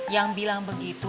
yang bilang begitu